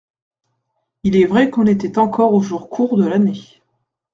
Il est vrai qu'on était encore aux jours courts de l'année.